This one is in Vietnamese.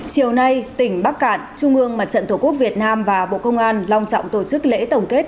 chiều nay tỉnh bắc cạn trung ương mặt trận tổ quốc việt nam và bộ công an long trọng tổ chức lễ tổng kết